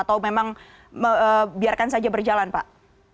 atau memang biarkan saja berjalan pak